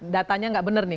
datanya tidak benar nih